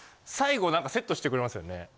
最後なんかセットしてくれますよね。